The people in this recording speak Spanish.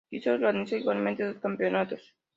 Quito organizó, igualmente, dos campeonatos.